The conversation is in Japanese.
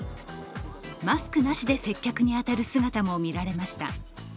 マスクなしで接客に当たる姿も見られました。